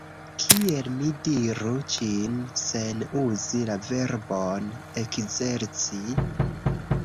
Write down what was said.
Kiel mi diru ĝin sen uzi la verbon "ekzerci"?